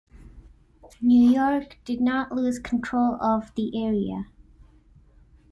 New York did not lose control of the area.